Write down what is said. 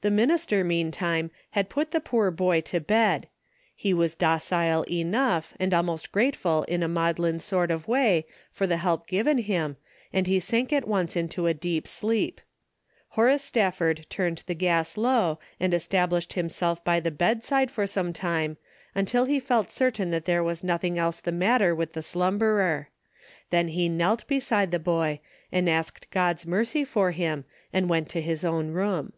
The minister, meantime, had put the poor boy to bed. He was docile enough, and al most grateful in a maudlin sort of way, for the help given him, and he sank at once into a deep sleep. Horace Stafford turned the gas low, and established himself by the bedside for some time, until he felt certain that there was nothing else the matter with the slum berer. Then he knelt beside the boy, and asked God's mercy for him and went to his own room.